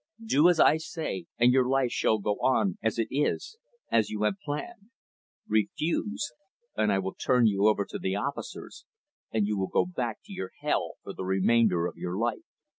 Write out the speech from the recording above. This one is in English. Do as I say, and your life shall go on as it is as you have planned. Refuse, and I will turn you over to the officers, and you will go back to your hell for the remainder of your life.'